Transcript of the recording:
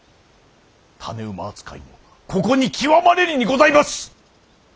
種馬扱いもここに極まれりにございます！